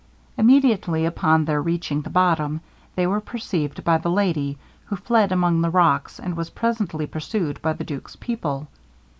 Immediately upon their reaching the bottom, they were perceived by the lady, who fled among the rocks, and was presently pursued by the duke's people.